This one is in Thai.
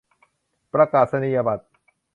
ประกาศนียบัตร